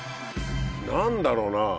何だろうな。